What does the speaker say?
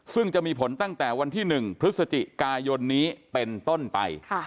ซึ่งจะมีผลตั้งแต่วันที่๑พฤศจิกายนนี้เป็นต้นไป